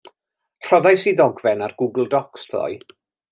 Rhoddais i ddogfen ar Google Docs ddoe.